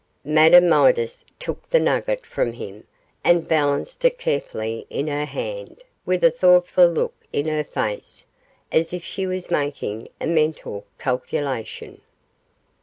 Madame Midas took the nugget from him and balanced it carefully in her hand, with a thoughtful look in her face, as if she was making a mental calculation.